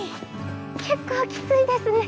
結構きついですね。